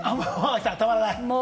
たまらない。